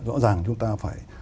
rõ ràng chúng ta phải